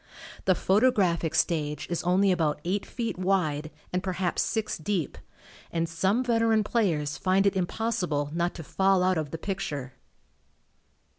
The photographic stage is only about eight feet wide and perhaps six deep, and some veteran players find it impossible not to "fall out of the picture."